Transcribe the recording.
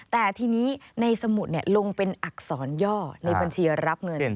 แต่ทีนี้ในสมุดลงเป็นอักษรย่อในบัญชีรับเงิน